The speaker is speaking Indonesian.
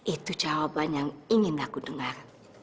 itu jawaban yang ingin aku dengar